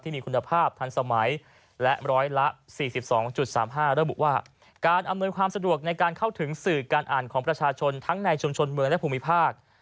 มีคุณภาพทันสมัยและร้อยละ๔๒๓๕ระบุว่าการอำนวยความสะดวกในการเข้าถึงสื่อการอ่านของประชาชนทั้งในชุมชนเมืองและภูมิภาค